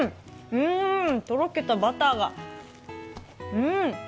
うーん、とろけたバターが、うーん！